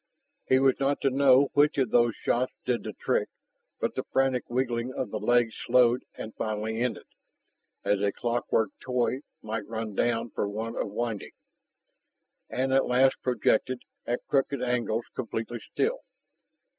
He was not to know which of those shots did the trick, but the frantic wiggling of the legs slowed and finally ended, as a clockwork toy might run down for want of winding and at last projected, at crooked angles, completely still.